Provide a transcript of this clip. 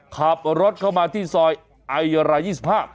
ขับรถเข้ามาที่ซอยไอราย๒๕